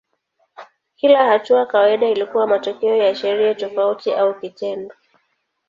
Kila hatua kawaida ilikuwa matokeo ya sheria tofauti au kitendo.